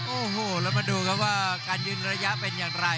โอ้โหแล้วมาดูครับว่าการยืนระยะเป็นอย่างไร